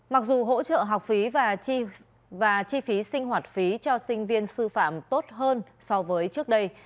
mặc dù hỗ trợ học phí và chi phí sinh hoạt phí cho sinh viên sư phạm tốt hơn so với trước đây